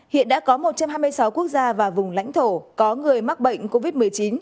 hiện đã có một trăm hai mươi sáu quốc gia và vùng lãnh thổ có người mắc bệnh covid một mươi chín